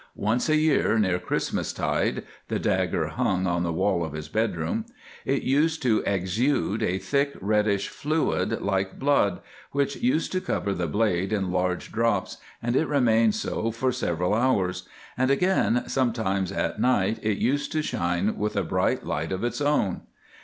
Once a year near Christmastide (the dagger hung on the wall of his bedroom) it used to exude a thick reddish fluid like blood, which used to cover the blade in large drops, and it remained so for several hours—and, again, sometimes at night it used to shine with a bright light of its own."